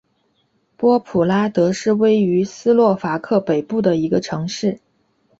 波普拉德是位于斯洛伐克北部的一个城市。